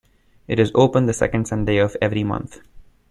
It is open the second Sunday of every month.